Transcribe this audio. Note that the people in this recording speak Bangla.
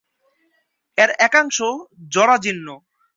এর একাংশ জরাজীর্ণ।